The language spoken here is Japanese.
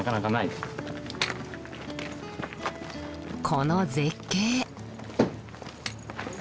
この絶景。